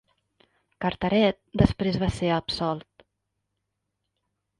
Carteret després va ser absolt.